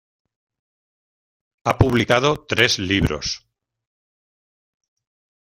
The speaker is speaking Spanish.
Ha publicado tres libros.